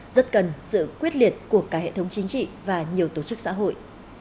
rất cần sự quyết liệt của cả hệ thống chính trị và nhiều tổ chức xã hội